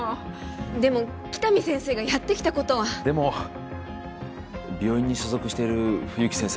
でも喜多見先生がやってきたことはでも病院に所属している冬木先生